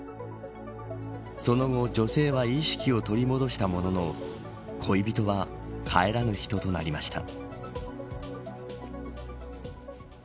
その後、女性は意識を取り戻したものの恋人は帰らぬ人となりました。